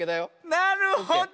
なるほど！